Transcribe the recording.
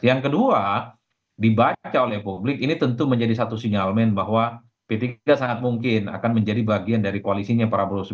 yang kedua dibaca oleh publik ini tentu menjadi satu sinyalmen bahwa p tiga sangat mungkin akan menjadi bagian dari koalisinya prabowo subianto